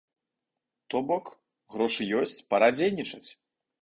То бок, грошы ёсць, пара дзейнічаць.